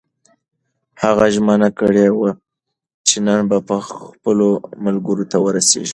هغه ژمنه کړې وه چې نن به خپلو ملګرو ته ورسېږي.